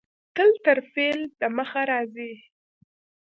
تل تر فعل د مخه راځي.